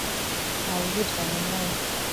Ntawe uzicarana nanjye